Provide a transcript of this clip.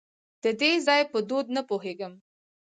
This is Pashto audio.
د دې ځای په دود نه پوهېږم .